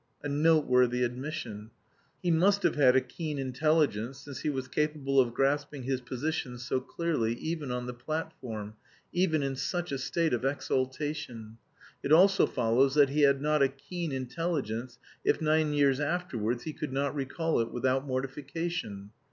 A noteworthy admission. He must have had a keen intelligence since he was capable of grasping his position so clearly even on the platform, even in such a state of exaltation; it also follows that he had not a keen intelligence if, nine years afterwards, he could not recall it without mortification.